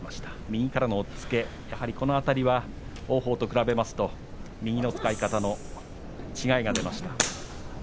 右からの押っつけ、やはりこの辺りは王鵬と比べますと右の使い方の違いが出ました。